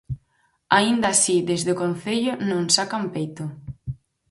Aínda así desde o concello non sacan peito.